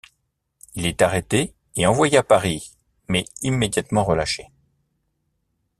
Il est arrêté et envoyé à Paris, mais immédiatement relâché.